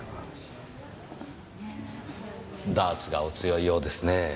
ダーツがお強いようですねぇ。